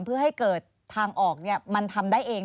เพื่อให้เกิดทางออกมันทำได้เอง